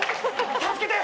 助けて！